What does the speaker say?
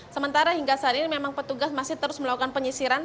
sementara hingga saat ini memang petugas masih terus melakukan penyisiran